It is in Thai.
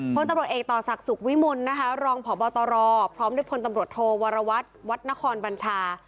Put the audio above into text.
พตรเอกต่อศักดิ์สุขวิมุลรองพบตรพร้อมด้วยพตรโทวรวัรวัตน์วัตนครบัญชา